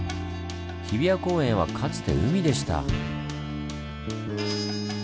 日比谷公園はかつて海でした。